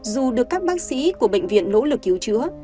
dù được các bác sĩ của bệnh viện nỗ lực cứu chữa